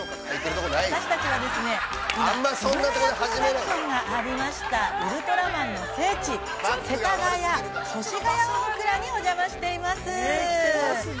私たちは、今、円谷プロダクションがありました、ウルトラマンの聖地世田谷、越谷大蔵にお邪魔しております。